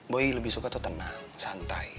boy lebih suka atau tenang santai